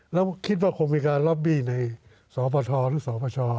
แล้วคิดว่าคงมีการล็อบบี้ในสปทหรือสปช